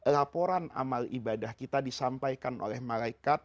laporan amal ibadah kita disampaikan oleh malaikat